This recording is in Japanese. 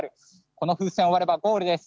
この風船を割ればゴールです。